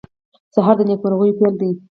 سهار د نیکمرغیو پېل دی.